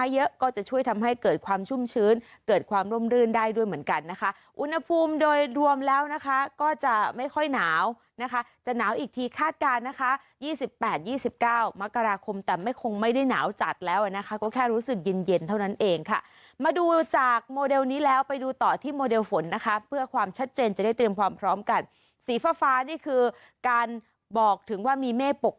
เยอะก็จะช่วยทำให้เกิดความชุ่มชื้นเกิดความร่มรื่นได้ด้วยเหมือนกันนะคะอุณหภูมิโดยรวมแล้วนะคะก็จะไม่ค่อยหนาวนะคะจะหนาวอีกทีคาดการณ์นะคะยี่สิบแปดยี่สิบเก้ามกราคมแต่ไม่คงไม่ได้หนาวจัดแล้วอะนะคะก็แค่รู้สึกเย็นเย็นเท่านั้นเองค่ะมาดูจากโมเดลนี้แล้วไปดูต่อที่โมเดลฝนนะคะเพื่อความชัดเจนจะได